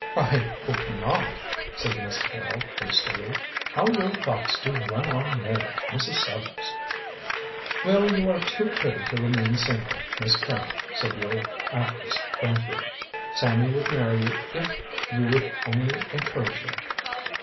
"I hope not," said Miss Carrol hastily. "How your thoughts do run on marriage, Mrs. Sellars!" "Well, you are too pretty to remain single, Miss Carrol," said the old actress frankly. "Sammy would marry you if you would only encourage him.